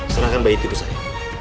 serahkan bayi ibu saya